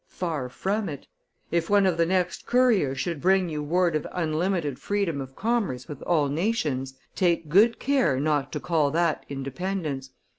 Far from it! If one of the next couriers should bring you word of unlimited freedom of commerce with all nations, take good care not to call that Independence.